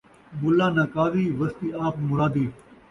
ملّاں ناں قاضی ، وستی آپ مرادی